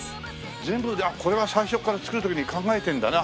全部これは最初から作る時に考えてるんだな。